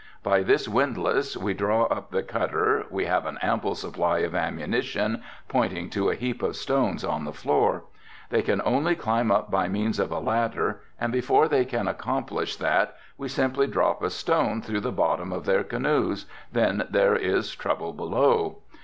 By this windlass we draw up the cutter, we have an ample supply of ammunition, pointing to a heap of stones on the floor. They can only climb up by means of a ladder and before they can accomplish that we simply drop a stone through the bottom of their canoes, then there is trouble down below.